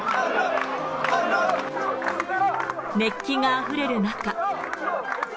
熱気があふれる中。